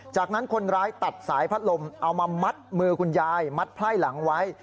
จากนั้นคนร้ายตัดสายพัดลมเอามามัดมือคุณยายมัดไพ่หลังไว้